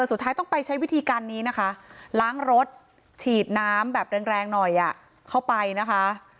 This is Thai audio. แต่สุดท้ายต้องไปใช้วิธีการนี้นะคะล้างรถฉีดน้ำแบบแรงแรงหน่อยเข้าไปนะคะ